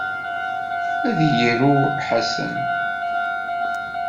Ad iru Ḥasan.